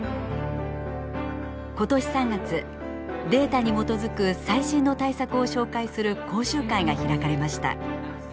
今年３月データに基づく最新の対策を紹介する講習会が開かれました。